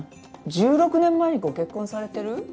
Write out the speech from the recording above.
１６年前にご結婚されてる？